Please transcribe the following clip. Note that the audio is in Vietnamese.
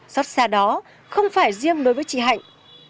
xót xa đó không phải riêng đối với chị hạnh